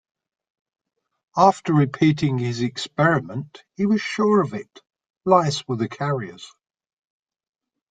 After repeating his experiment he was sure of it: lice were the carriers.